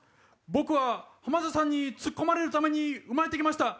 僕は浜田さんにツッコまれるために生まれて来ました。